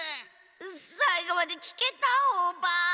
さいごまできけたオバ！